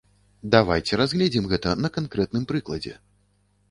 Давайце разгледзім гэта на канкрэтным прыкладзе.